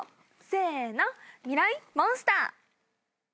せーのミライ☆モンスター。